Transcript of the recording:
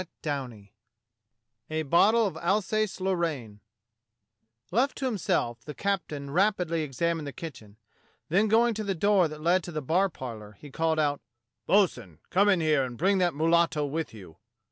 CHAPTER V A BOTTLE OF ALSACE LORRAINE LEFT to himself, the captain rapidly examined the kitchen; then going to the door that led to ^ the bar parlour, he called out: "Bo'sun, come in here, and bring that mulatto with you."